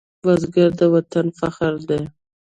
بزګر د وطن فخر دی